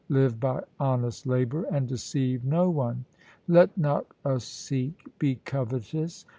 Live by honest labour and deceive no one. Let not a Sikh be covetous.